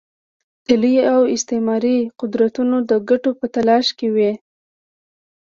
د لوی او استعماري قدرتونه د ګټو په تلاښ کې وي.